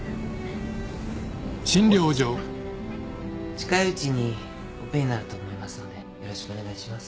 近いうちにオペになると思いますのでよろしくお願いします。